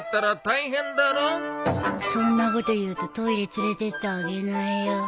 そんなこと言うとトイレ連れてってあげないよ？